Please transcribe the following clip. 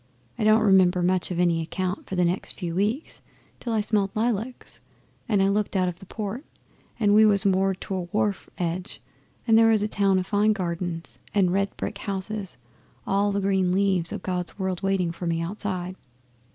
I don't remember much of any account for the next few weeks, till I smelled lilacs, and I looked out of the port, and we was moored to a wharf edge and there was a town o' fine gardens and red brick houses and all the green leaves o' God's world waiting for me outside.